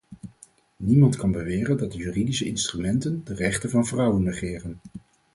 Niemand kan beweren dat de juridische instrumenten de rechten van vrouwen negeren.